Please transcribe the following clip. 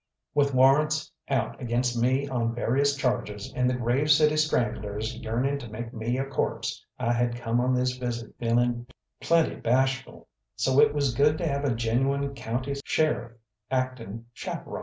With warrants out against me on various charges, and the Grave City Stranglers yearning to make me a corpse, I had come on this visit feeling plenty bashful, so it was good to have a genuine county sheriff acting chaperon.